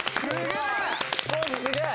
・すげえ！